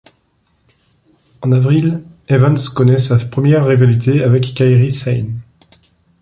En avril, Evans connait sa première rivalité avec Kairi Sane.